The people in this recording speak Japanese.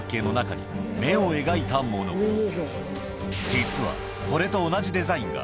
実はこれと同じデザインが